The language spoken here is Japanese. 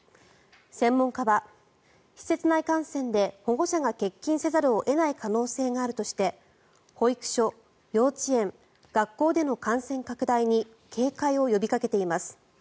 専門家は施設内感染で保護者が欠勤せざるを得ない可能性があるとして保育所、幼稚園、学校での感染拡大に警戒を呼びかけています。